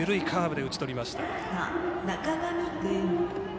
カーブで打ち取りました。